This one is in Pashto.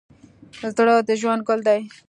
زړه د ژوند ګل دی.